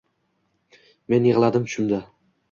Men yigʻladim tushimda